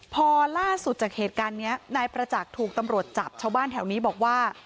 พอล่าสุดจากเหตุการณ์นี้นายประจักษ์ถูกตำรวจจับชาวบ้านแถวนี้บอกว่า